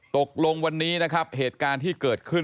ตกลงวันนี้นะครับเหตุการณ์ที่เกิดขึ้น